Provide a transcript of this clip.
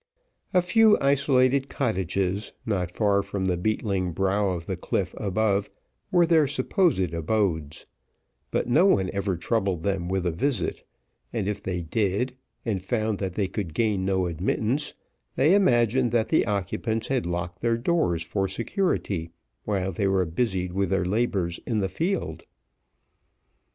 A few isolated cottages, not far from the beetling brow of the cliff above, were their supposed abodes; but no one ever troubled them with a visit, and if they did, and found that they could gain no admittance, they imagined that the occupants had locked their doors for security, while they were busied with their labours in the field.